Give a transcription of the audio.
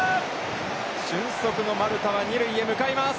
俊足の丸田は二塁へ向かいます。